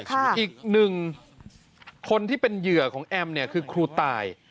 อีกหนึ่งคนที่เป็นเหยื่อของแอมเนี่ยคือครูตาย